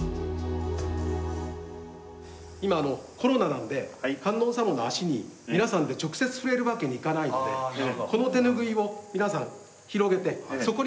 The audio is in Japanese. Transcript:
今コロナなので観音様の足に皆さんで直接触れるわけにいかないのでこの手拭いを皆さん広げてそこに手を添えていただく。